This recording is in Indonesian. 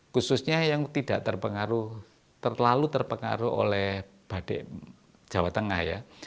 khususnya yang tidak terpengaruh terlalu terpengaruh oleh badik jawa tengah ya